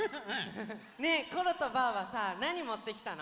ねえコロとバウはさなにもってきたの？